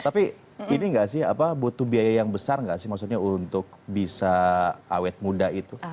tapi ini nggak sih apa butuh biaya yang besar nggak sih maksudnya untuk bisa awet muda itu